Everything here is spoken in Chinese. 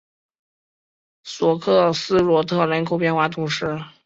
索克塞罗特人口变化图示